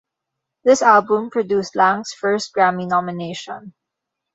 This album produced Lang's first Grammy nomination.